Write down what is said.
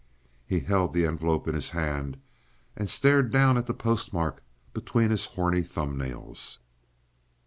He held the envelope in his hand, and stared down at the postmark between his horny thumbnails.